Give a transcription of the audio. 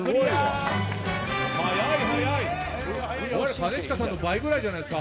兼近さんの倍ぐらいじゃないですか。